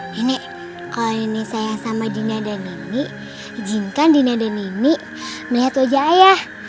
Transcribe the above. nenek kalau nenek sayang sama dina dan nini izinkan dina dan nini melihat wajah ayah